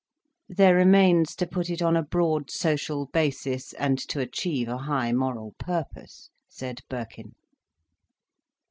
"There remains to put it on a broad social basis, and to achieve a high moral purpose," said Birkin.